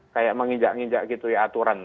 kayak menginjak nginjak gitu ya aturan